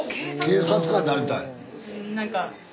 警察官なりたい。